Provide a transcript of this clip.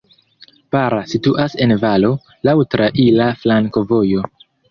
Bara situas en valo, laŭ traira flankovojo.